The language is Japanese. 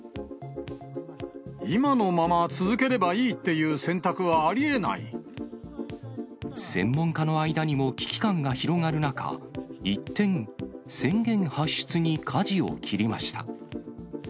今のまま続ければいいってい専門家の間にも危機感が広がる中、一転、宣言発出にかじを切りました。